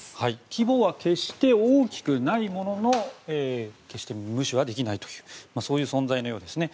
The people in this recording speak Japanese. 規模は決して大きくないものの決して無視はできないという存在のようですね。